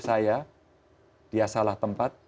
saya dia salah tempat